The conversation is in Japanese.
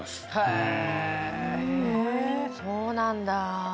へえうんそうなんだ